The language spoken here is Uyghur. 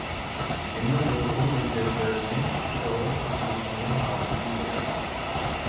مىنىڭ نۇرغۇن ھۆججەتلىرىمنى تورغا ساقلىشىمنىڭ ھاجىتى يوق.